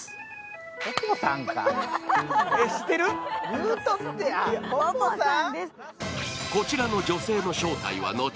言うとってや、ポポさん。